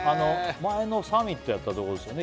前のサミットやったとこですよね